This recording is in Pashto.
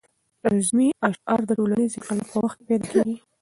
رزمي اشعار د ټولنیز انقلاب په وخت کې پیدا کېږي.